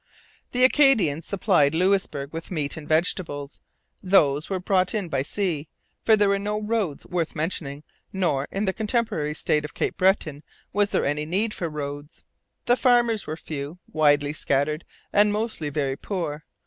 The Acadians supplied Louisbourg with meat and vegetables. These were brought in by sea; for there were no roads worth mentioning; nor, in the contemporary state of Cape Breton, was there any need for roads. The farmers were few, widely scattered, and mostly very poor.